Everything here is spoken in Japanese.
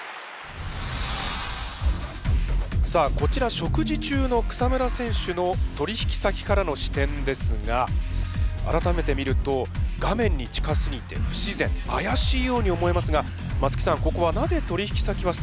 さあこちら食事中の草村選手の取引先からの視点ですが改めて見ると画面に近すぎて不自然怪しいように思えますが松木さんここはなぜ取引先はスルーしたんですかね？